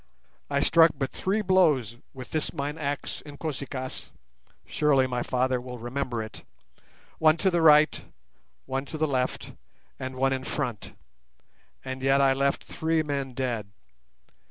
I struck but three blows with this mine axe Inkosikaas—surely my Father will remember it—one to the right, one to the left, and one in front, and yet I left three men dead.